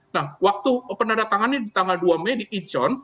nah waktu penadatangannya di tanggal dua mei di ijeon